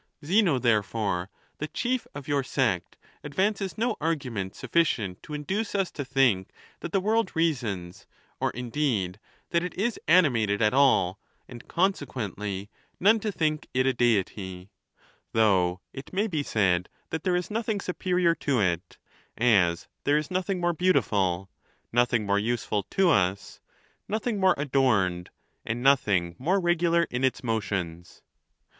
Zeno, therefore, the chief of your sect, advances no ai'gument sufficient to induce us to think that the world reasons, or, indeed, that it is animated at all, and consequently none to think it a Deity ; though it may be said that there is nothing superior to it, as there is noth ing more beautiful, nothing more useful to us, nothing more adorned, and nothing more regular in its motions.